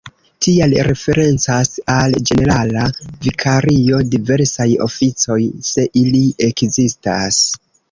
Tial referencas al ĝenerala vikario diversaj oficoj, se ili ekzistas.